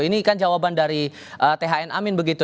ini kan jawaban dari thn amin begitu